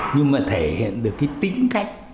nhưng mà thể hiện được cái tính cách